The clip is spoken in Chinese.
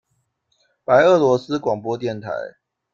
白俄罗斯广播电台。